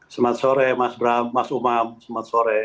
selamat sore mas bram mas umam selamat sore